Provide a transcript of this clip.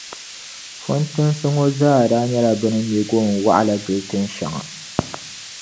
Fɔntinsi ŋɔ zaa daa nyɛla bɛ ni me goon’ wɔɣila gili tin’ shɛŋa.